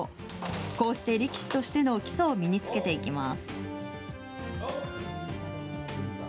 こうして力士としての基礎を身に着けていきます。